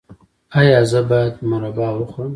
ایا زه باید مربا وخورم؟